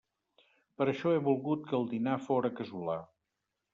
Per això he volgut que el dinar fóra casolà.